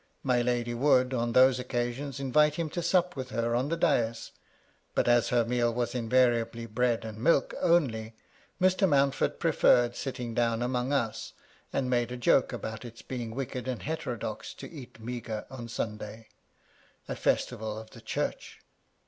My lady would, on those occasions, invite him to sup with her on the dais ; but as her meal was invariably bread and milk only, Mr. Mountford preferred sifting down amongst us, and made a joke about its being wicked and heterodox to eat meagre on Sunday, a festival of the Church.